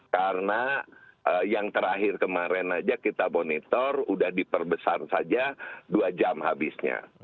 karena yang terakhir kemarin saja kita monitor sudah diperbesar saja dua jam habisnya